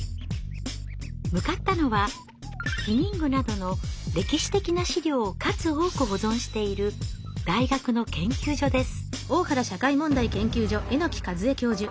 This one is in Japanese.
向かったのは避妊具などの歴史的な資料を数多く保存している大学の研究所です。